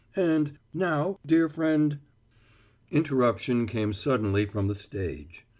And, now, dear friend " Interruption came suddenly from the stage.